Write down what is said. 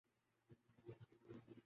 تو Supreme Court دکھائے۔